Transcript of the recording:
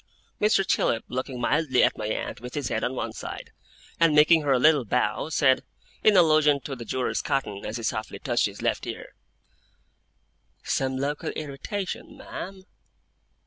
Mr. Chillip, looking mildly at my aunt with his head on one side, and making her a little bow, said, in allusion to the jewellers' cotton, as he softly touched his left ear: 'Some local irritation, ma'am?